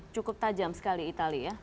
cukup tajam sekali itali